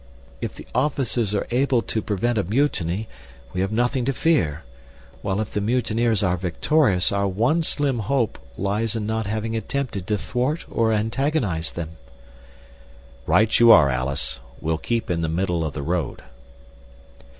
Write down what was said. "If the officers are able to prevent a mutiny, we have nothing to fear, while if the mutineers are victorious our one slim hope lies in not having attempted to thwart or antagonize them." "Right you are, Alice. We'll keep in the middle of the road."